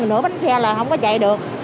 nửa bánh xe là không có chạy được